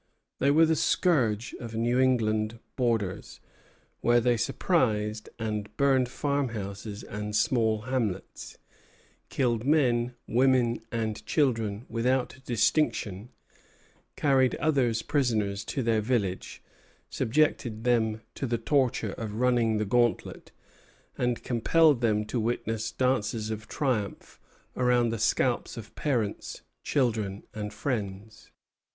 They were the scourge of the New England borders, where they surprised and burned farmhouses and small hamlets, killed men, women, and children without distinction, carried others prisoners to their village, subjected them to the torture of "running the gantlet," and compelled them to witness dances of triumph around the scalps of parents, children, and friends.